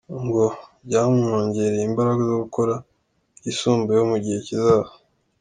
Ngo byamwongereye imbaraga zo gukora byisumbuyeho mu gihe kizaza.